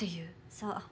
そう。